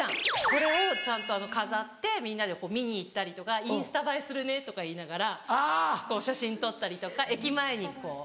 これをちゃんと飾ってみんなで見に行ったりとか「インスタ映えするね」とか言いながらこう写真撮ったりとか駅前にこう。